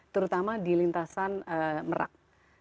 terutama di lintasan merak